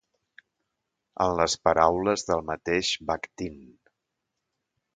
En les paraules del mateix Bakhtín.